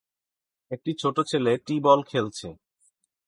একটি ছোট ছেলে টি-বল খেলছে